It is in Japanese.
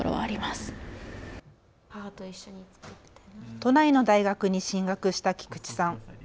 都内の大学に進学した菊地さん。